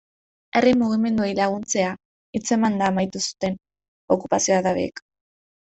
Herri mugimenduei laguntzea hitzemanda amaitu zuten okupazioa abadeek.